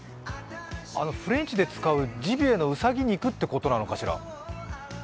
フレンチで使うジビエのうさぎ肉ってことなのかしら？